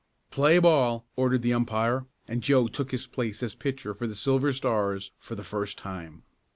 "Play ball!" ordered the umpire and Joe took his place as pitcher for the Silver Stars for the first time.